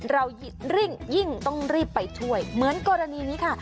เรายิ่งต้องรีบไปช่วยเหมือนกรณีนี้ค่ะ